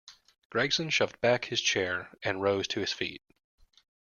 Gregson shoved back his chair and rose to his feet.